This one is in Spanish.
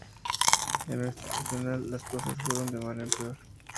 En lo institucional, las cosas fueron de mal en peor.